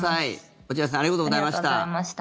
落合さんありがとうございました。